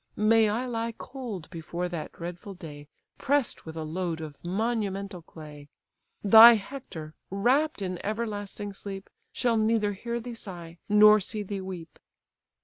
May I lie cold before that dreadful day, Press'd with a load of monumental clay! Thy Hector, wrapt in everlasting sleep, Shall neither hear thee sigh, nor see thee weep."